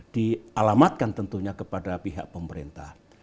dialamatkan tentunya kepada pihak pemerintah